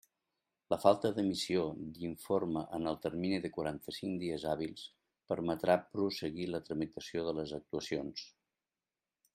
La falta d'emissió d'informe en el termini de quaranta-cinc dies hàbils permetrà prosseguir la tramitació de les actuacions.